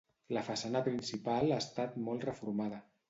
La façana principal ha estat molt reformada.